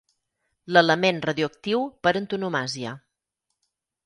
L'element radioactiu per antonomàsia.